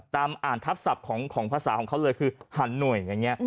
ตามอ่านทับศัพท์ของภาษาของเขาเลยคือหันหน่วยอย่างนี้